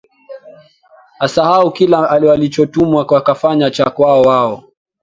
asahau kile walichotumwa wakafanya cha kwao wao